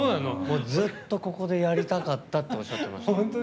ずっとここでやりたかったっておっしゃっていました。